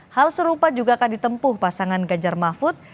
hal serupa juga akan ditempuh pasangan ganjar mahfud